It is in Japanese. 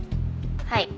はい。